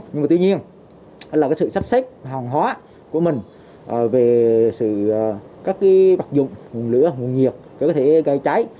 nhưng mà tuy nhiên là sự sắp xếp hòn hóa của mình về các bạc dụng nguồn lửa nguồn nhiệt có thể gây cháy